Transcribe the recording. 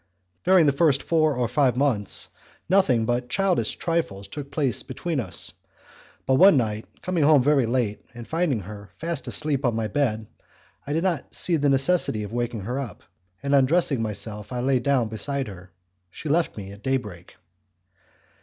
During the first four or five months nothing but childish trifles took place between us; but one night, coming home very late and finding her fast asleep on my bed, I did not see the necessity of waking her up, and undressing myself I lay down beside her.... She left me at daybreak.